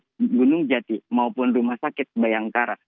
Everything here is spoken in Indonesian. di gunung jati maupun rumah sakit bayangkara